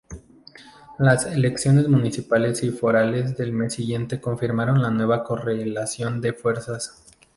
Las elecciones municipales y forales del mes siguiente confirmaron la nueva correlación de fuerzas.